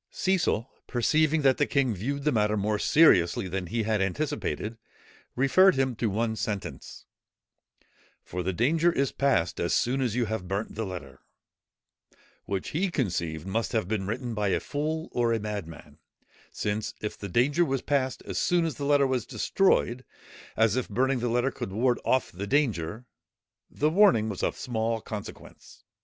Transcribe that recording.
Cecil, perceiving that the king viewed the matter more seriously than he had anticipated, referred him to one sentence, "for the danger is past as soon as you have burnt the letter," which he conceived must have been written by a fool or a madman, since if the danger was past as soon as the letter was destroyed, as if burning the letter could ward off the danger, the warning was of small consequence.